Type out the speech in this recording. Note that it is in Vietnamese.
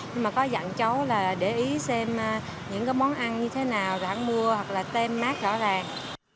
nhưng mà có dặn cháu là để ý xem những cái món ăn như thế nào rãng mưa hoặc là tem mát rõ ràng